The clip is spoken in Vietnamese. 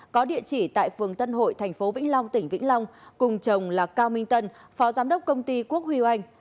có địa chỉ tại phường tân hội tp vĩnh long tỉnh vĩnh long cùng chồng là cao minh tân phó giám đốc công ty quốc huy anh